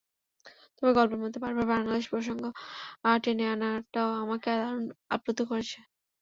তবে গল্পের মধ্যে বারবার বাংলাদেশ প্রসঙ্গ টেনে আনাটাও আমাকে দারুণ আপ্লুত করেছে।